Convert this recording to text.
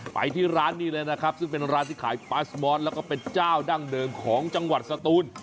ไปที่ร้านนี้เลยนะครับซึ่งเป็นร้านที่ขายปลาสมอนแล้วก็เป็นเจ้าดั้งเดิมของจังหวัดสตูน